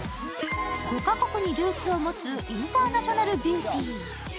５カ国にルーツを持つインターナショナルビューティー。